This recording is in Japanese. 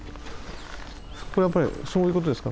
これやっぱりそういうことですか？